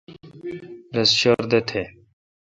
رس شردہ تھ۔